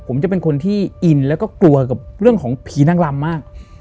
ผมจะเป็นคนที่อินแล้วก็กลัวกับเรื่องของผีนางลำมาก